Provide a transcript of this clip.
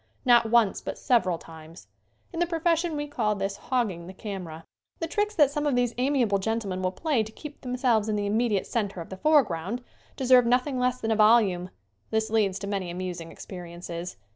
not once but several times. In the profession we call this "hogging the camera." The tricks that some of these amiable gen tlemen will play to keep themselves in the im mediate center of the foreground deserve nothing less than a volume. This leads to many amusing experiences.